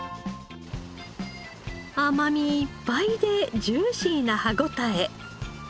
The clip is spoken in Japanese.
甘みいっぱいでジューシーな歯応え。